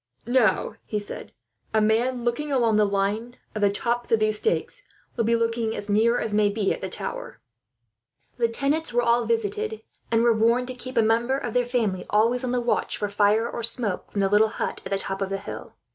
"Now," he said, "a man, looking along the line of the tops of these stakes, will be looking as near as may be at the tower." The tenants were all visited, and were warned to keep a member of their family always on the watch for fire, or smoke, from the little hut at the top of the hill.